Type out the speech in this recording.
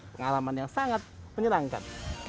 pengalaman yang sangat menyenangkan